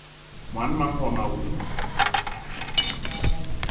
Mon manga womo awou!